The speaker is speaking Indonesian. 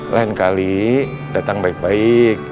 lain kali datang baik baik